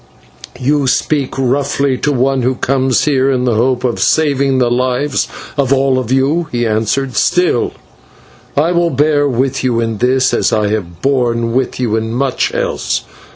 "You speak roughly to one who comes here in the hope of saving the lives of all of you," he answered; "still I will bear with you in this as I have borne with you in much else.